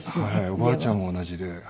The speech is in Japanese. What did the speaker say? おばあちゃんも同じで。